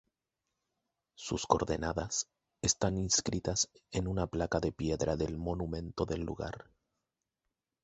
Sus coordenadas están inscritas en una placa de piedra del monumento del lugar.